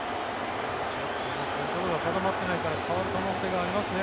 ちょっとコントロールが定まってないから代わる可能性がありますね。